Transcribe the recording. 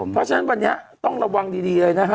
เพราะฉะนั้นวันนี้ต้องระวังดีเลยนะฮะ